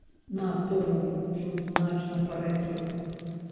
Натоўп ужо значна парадзеў.